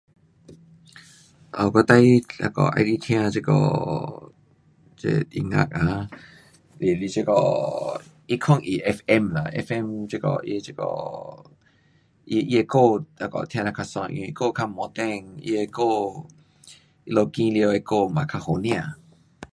啊，我最喜欢那个喜欢听这个这音乐啊是，是这个一零一 fm 呐, fm 这个它的这个，它它的歌那个听了较爽，因为歌较摩登，它的歌他们选好的歌也较好听。